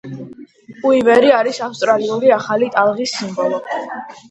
უივერი არის ავსტრალიური ახალი ტალღის სიმბოლო.